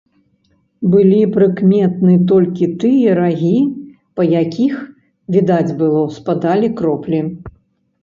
Былі прыкметны толькі тыя рагі, па якіх, відаць было, спадалі кроплі.